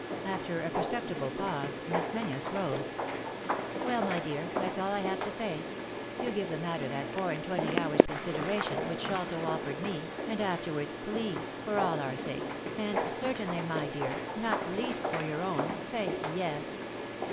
After a perceptible pause Miss Menzies rose. " Well, my dear, that's all I have to say. You give the matter that four and twenty hours' considera 140 3i 9 iii^d by Google THE INTERRUPTED KISS tion which Sholto offered me, and afterwards, please, for all our safces, and certainly, my dear, not least for your own, say 'Yes.'